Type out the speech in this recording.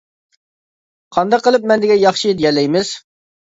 قانداق قىلىپ «مەن دېگەن ياخشى» دېيەلەيمىز!